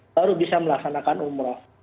baru bisa melaksanakan umroh